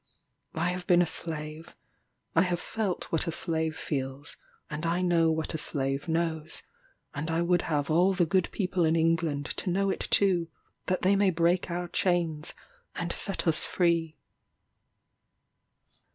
I have been a slave I have felt what a slave feels, and I know what a slave knows; and I would have all the good people in England to know it too, that they may break our chains, and set us free.